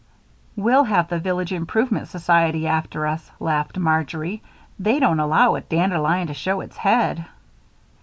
"We'll have the Village Improvement Society after us," laughed Marjory. "They don't allow a dandelion to show its head."